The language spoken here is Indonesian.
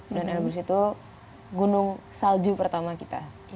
dan elbrus itu gunung salju pertama kita